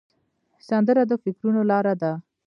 سندره د فکرونو لاره ده